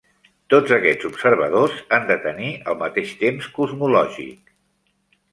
Tots aquests observadors han de tenir el mateix temps cosmològic.